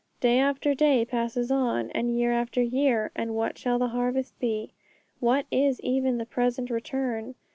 Day after day passes on, and year after year, and what shall the harvest be? What is even the present return?